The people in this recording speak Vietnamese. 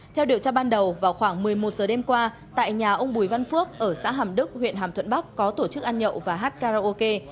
theo điều tra ban đầu vào khoảng một mươi một giờ đêm qua tại nhà ông bùi văn phước ở xã hàm đức huyện hàm thuận bắc có tổ chức ăn nhậu và hát karaoke